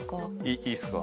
いいっすか？